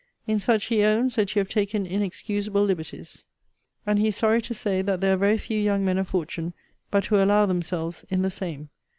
In such, he owns, that you have taken inexcusable liberties. And he is sorry to say, that there are very few young men of fortune but who allow themselves in the same.